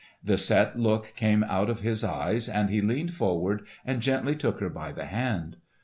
The set look came out of his eyes, and he leaned forward and gently took her by the hand.